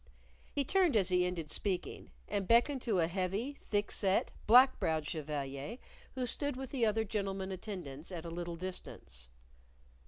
He turned as he ended speaking, and beckoned to a heavy, thick set, black browed chevalier who stood with the other gentlemen attendants at a little distance.